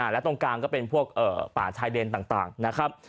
และตรงกลางก็เป็นพวกป่าชายเลนต่างนะครับ